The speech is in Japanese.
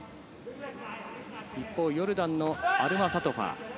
一方ヨルダンのアルマサトファ。